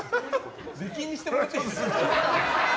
出禁にしてもらっていいですか？